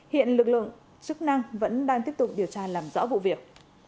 hiện lực lượng chức năng vẫn đang tiếp tục điều tra làm rõ vụ việc